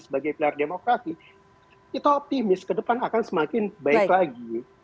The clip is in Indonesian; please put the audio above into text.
sebagai pilar demokrasi kita optimis ke depan akan semakin baik lagi